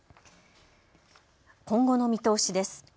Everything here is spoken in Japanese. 今後の見通しです。